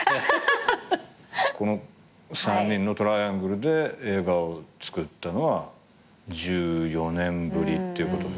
この３人のトライアングルで映画を作ったのは１４年ぶりって。